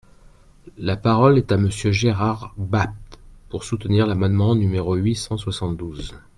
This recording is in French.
La parole est à Monsieur Gérard Bapt, pour soutenir l’amendement numéro huit cent soixante-douze.